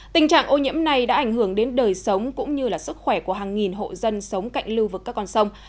tình trạng ô nhiễm này đã ảnh hưởng đến đời sống cũng như sức khỏe của hàng nghìn hộ dân sống cạnh lưu vực các con sông